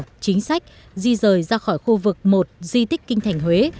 các chính sách di rời ra khỏi khu vực một di tích kinh thành huế